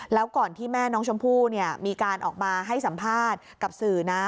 แล้วก่อนที่แม่น้องชมพู่มีการออกมาให้สัมภาษณ์กับสื่อนะ